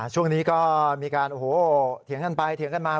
ช่วงนี้ก็มีการโอ้โหเถียงกันไปเถียงกันมา